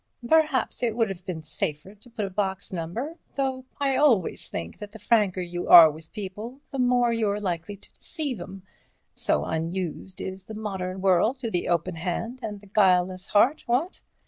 Perhaps it would have been safer to put a box number, though I always think that the franker you are with people, the more you're likely to deceive 'em; so unused is the modern world to the open hand and the guileless heart, what?"